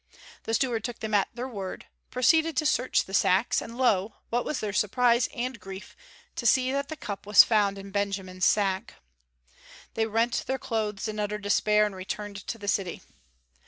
The steward took them at their word, proceeded to search the sacks, and lo! what was their surprise and grief to see that the cup was found in Benjamin's sack! They rent their clothes in utter despair, and returned to the city.